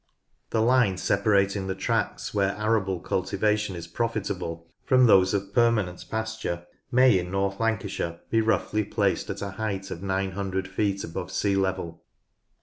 The line separating the tracts where arable cultivation is profitable 90 NORTH LANCASHIRE from those of permanent pasture may in North Lancashire be roughly placed at a height of 900 feet above sea level.